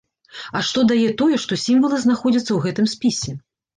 А што дае тое, што сімвалы знаходзяцца ў гэтым спісе?